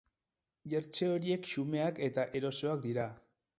Jertse horiek xumeak eta erosoak dira.